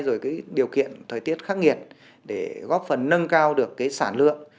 rồi cái điều kiện thời tiết khắc nghiệt để góp phần nâng cao được cái sản lượng